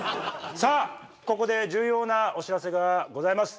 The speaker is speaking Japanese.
さあここで重要なお知らせがございます。